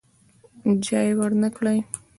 ژای ورنه کړي.